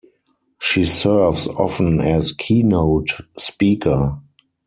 She serves often as keynote speaker.